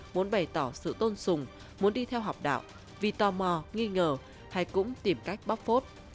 muốn bày tỏ sự tôn sùng muốn đi theo học đạo vì tò mò nghi ngờ hay cũng tìm cách bóc phốt